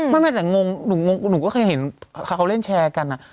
ไม่แต่งงหนูงงหนูก็เคยเห็นเขาเล่นแชร์กัน